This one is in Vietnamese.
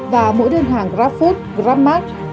và mỗi đơn hàng grabfood grabmart